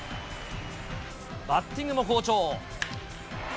バッティングも好調。